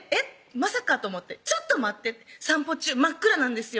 まさかと思って「ちょっと待って」って散歩中真っ暗なんですよ